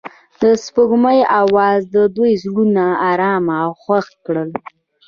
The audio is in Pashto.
د سپوږمۍ اواز د دوی زړونه ارامه او خوښ کړل.